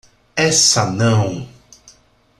Essa não!